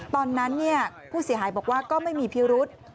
ตอนนั้นผู้เสียหายบอกว่าก็ไม่มีพิรุษ